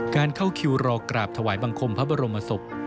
เข้าคิวรอกราบถวายบังคมพระบรมศพ